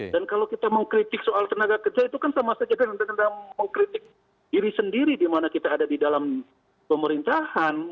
dan kalau kita mengkritik soal tenaga kerja itu kan sama saja dengan mengkritik diri sendiri di mana kita ada di dalam pemerintahan